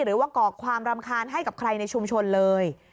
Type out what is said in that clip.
หรือว่ากอกความรำคาญให้กับใครในชุมชนเลย